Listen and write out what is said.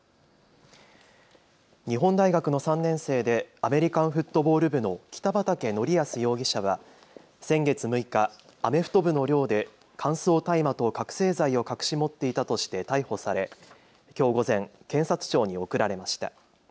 日本大学の３年生でアメリカンフットボール部の北畠成文容疑者は先月６日、アメフト部の寮で乾燥大麻と覚醒剤を隠し持っていたとして逮捕されきょう午前、検察庁に送られました。